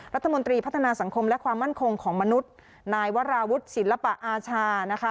รัฐมนตรีพัฒนาสังคมและความมั่นคงของมนุษย์นายวราวุฒิศิลปะอาชานะคะ